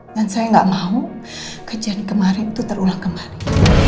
dan saya gak mau kejadian kemarin itu terulang kemarin